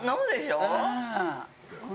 うん！